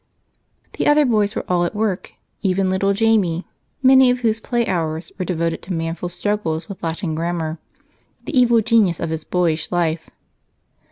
The other boys were all at work, even little Jamie, many of whose play hours were devoted to manful struggles with Latin grammar, the evil genius of his boyish life.